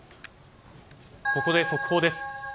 ここで速報です。